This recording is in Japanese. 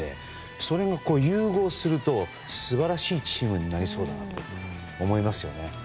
それを融合すると素晴らしいチームになりそうだなと思いますよね。